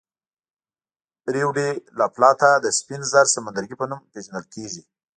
ریو ډي لا پلاتا د سپین زر سمندرګي په نوم پېژندل کېږي.